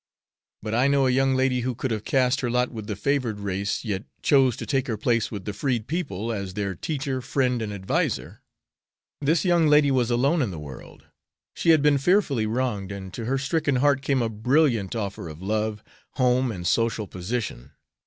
But I know a young lady who could have cast her lot with the favored race, yet chose to take her place with the freed people, as their teacher, friend, and adviser. This young lady was alone in the world. She had been fearfully wronged, and to her stricken heart came a brilliant offer of love, home, and social position.